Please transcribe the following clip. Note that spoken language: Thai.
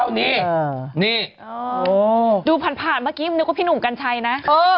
สวัสดีค่ะข้าวใส่ไข่สดใหม่เยอะสวัสดีค่ะ